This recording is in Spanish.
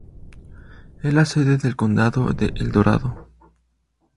Es la sede del condado de El Dorado.